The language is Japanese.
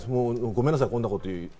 ごめんなさい、こんなこと言って。